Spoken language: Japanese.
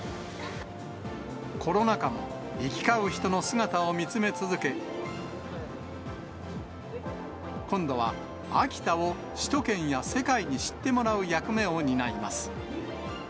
コロナ禍も行き交う人の姿を見つめ続け、今度は秋田を首都圏や世界に知ってもらう役目を担います。